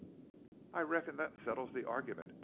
"I reckon that settles that argument!"